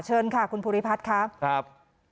เชิญค่ะคุณภูริพัฒน์ครับ